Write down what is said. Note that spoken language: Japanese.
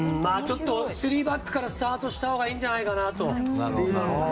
３バックからスタートしたほうがいいんじゃないかなと。